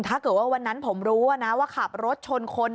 ถ้าเกิดว่าวันนั้นผมรู้ว่าขับรถชนคน